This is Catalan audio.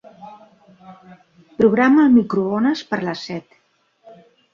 Programa el microones per a les set.